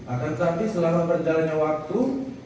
akan tetapi selama berjalannya waktu